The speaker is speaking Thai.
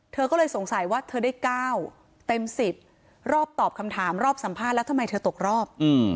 เธอก็เลยสงสัยว่าเธอได้๙เต็ม๑๐รอบตอบคำถามรอบสัมภาษณ์แล้วทำไมเธอตกรอบ